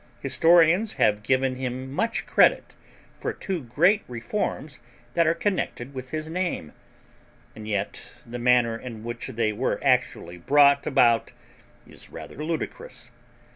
Historians have given him much credit for two great reforms that are connected with his name; and yet the manner in which they were actually brought about is rather ludicrous.